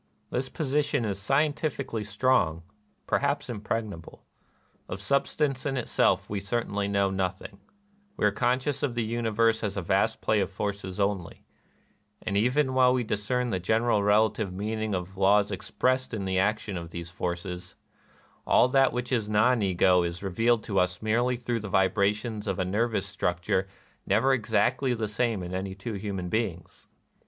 This position is scientifically strong, — perhaps impregnable. Of substance in itself we certainly know nothing : we are conscious of the universe as a vast play of forces only ; and, even while we discern the general relative meaning of laws expressed in the action of those forces, all that which is Non Ego is revealed to us merely through the vibrations of a nervous structure never exactly the same in any two human beings.